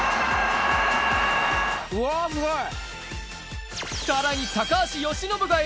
うわすごい！